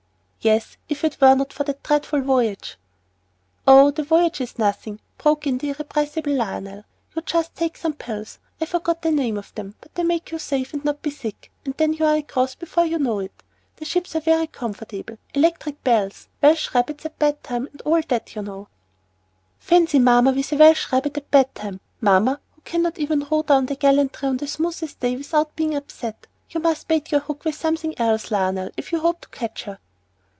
"Yes, if it were not for that dreadful voyage." "Oh, the voyage is nothing," broke in the irrepressible Lionel, "you just take some little pills; I forget the name of them, but they make you safe not to be sick, and then you're across before you know it. The ships are very comfortable, electric bells, Welsh rabbits at bed time, and all that, you know." "Fancy mamma with a Welsh rabbit at bed time! mamma, who cannot even row down to Gallantry on the smoothest day without being upset! You must bait your hook with something else, Lionel, if you hope to catch her."